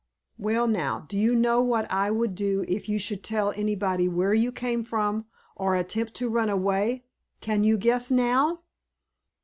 Well, now, do you know what I would do if you should tell anybody where you came from, or attempt to run away? Can you guess now?"